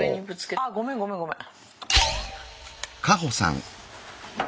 あごめんごめんごめん。